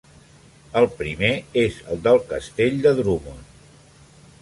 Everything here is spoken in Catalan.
El primer és el del castell de Drummond.